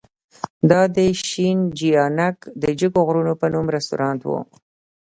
دا د شینجیانګ د جګو غرونو په نوم رستورانت و.